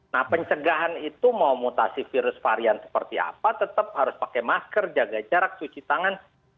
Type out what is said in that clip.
nah pencegahan itu mau mutasi virus varian seperti apa tetap harus pakai masker jaga jarak cuci tangan